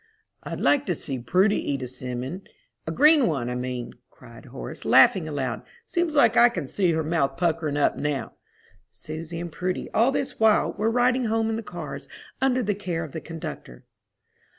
"I'd like to see Prudy eat a 'simmon a green one, I mean," cried Horace, laughing aloud. "Seems like I can see her mouth puckering up now." Susy and Prudy, all this while, were riding home in the cars, under the care of the conductor.